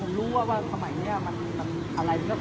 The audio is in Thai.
ตอนนี้กำหนังไปคุยของผู้สาวว่ามีคนละตบ